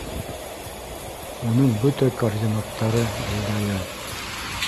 Уның бөтә координаттары билдәле